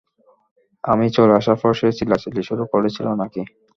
আমি চলে আসার পর সে চিল্লাচিল্লি শুরু করেছিল না-কি?